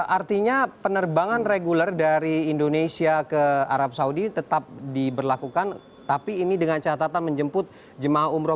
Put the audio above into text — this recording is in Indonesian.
artinya penerbangan reguler dari indonesia ke arab saudi tetap diberlakukan tapi ini dengan catatan menjemput jemaah umroh